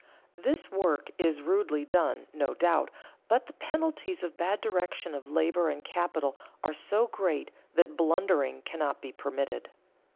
This work is rudely done, no doubt, but the penalties of bad direction of labor and capital are so great that blundering cannot be permitted.